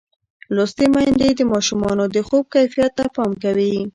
لوستې میندې د ماشومانو د خوب کیفیت ته پام کوي.